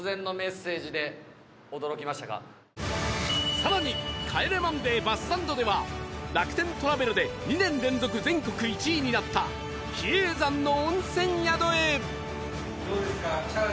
更に『帰れマンデー』バスサンドでは楽天トラベルで２年連続全国１位になった比叡山の温泉宿へ